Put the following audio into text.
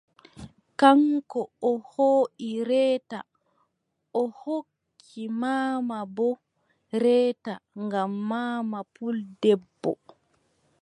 Kaŋko o hooʼi reete, o hokki maama boo reeta ngam maama puldebbo,